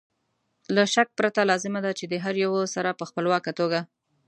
له شک پرته لازمه ده چې د هر یو سره په خپلواکه توګه